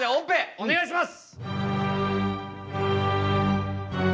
お願いします。